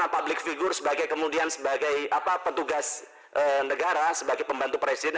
public figure sebagai kemudian sebagai petugas negara sebagai pembantu presiden